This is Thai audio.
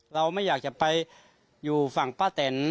เราไม่อยากจะไปอยู่ฝั่งป้าแตน